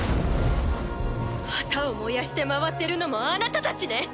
旗を燃やして回ってるのもあなた達ね！